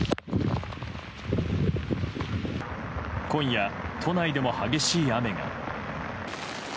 今夜、都内でも激しい雨が。